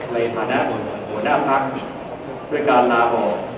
ในฐานะหัวหน้าพักด้วยการลาออก